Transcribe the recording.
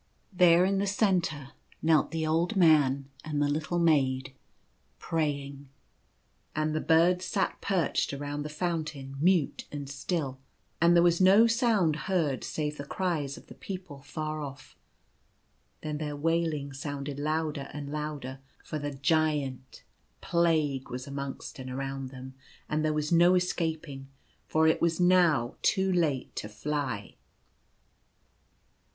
There in the centre knelt the old man and the little The Ice cold hand. 6 3 maid, praying ; and the birds sat perched around the fountain, mute and still, and there was no sound heard save the cries of the people far off. Then their wailing sounded louder and louder, for the Giant — Plague — was amongst and around them, and there was no escaping, for it was now too late to fly.